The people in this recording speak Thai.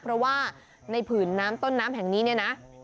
เพราะว่าในผืนน้ำต้นน้ำแห่งนี้เนี่ยนะ